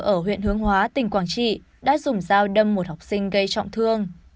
ở huyện hướng hóa tỉnh quảng trị đã dùng dao đâm một học sinh gây trọng thương